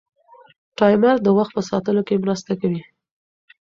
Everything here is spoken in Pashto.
ټایمر د وخت په ساتلو کې مرسته کوي.